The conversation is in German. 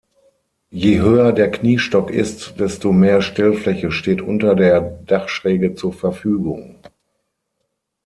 Je höher der Kniestock ist, desto mehr Stellfläche steht unter der Dachschräge zur Verfügung.